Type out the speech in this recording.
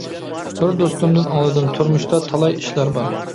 بىر دوستۇمدىن ئاڭلىدىم. تۇرمۇشتا تالاي ئىشلار بار.